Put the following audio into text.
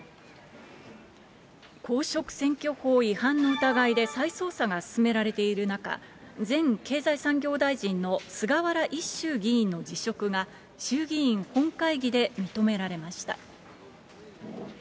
公職選挙法違反の疑いで再捜査が進められている中、前経済産業大臣の菅原一秀議員の辞職が、衆議院本会議で認められました。